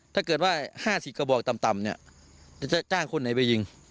ถ้าเกิดว่า๕๐กบตำจะจ้างคนไหนไปยิง